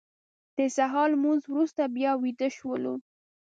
د سهار لمونځ وروسته بیا ویده شولو.